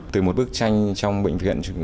từ một bức tranh trong bệnh viện